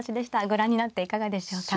ご覧になっていかがでしょうか。